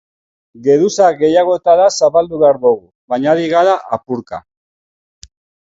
Geruza gehiagotara zabaldu behar dugu, baina ari gara apurka.